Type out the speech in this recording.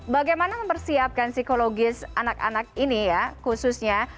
bagaimana mempersiapkan psikologis anak anak ini ya khususnya